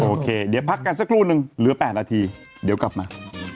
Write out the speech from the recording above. โอเคเดี๋ยวพักกันสักครู่นึงเหลือ๘นาทีเดี๋ยวกลับมา